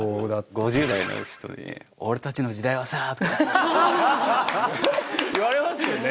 ５０代の人に「俺たちの時代はさ」とか。言われますよね。